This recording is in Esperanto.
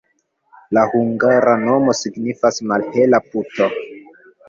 La hungara nomo signifas: malhela puto.